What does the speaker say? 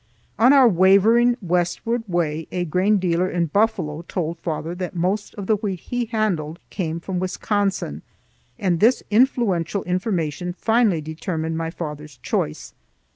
On our wavering westward way a grain dealer in Buffalo told father that most of the wheat he handled came from Wisconsin; and this influential information finally determined my father's choice.